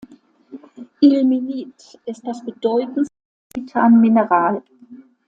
Ilmenit ist das bedeutendste Titan-Mineral.